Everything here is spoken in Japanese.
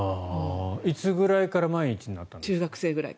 いつぐらいから毎日になったんですか？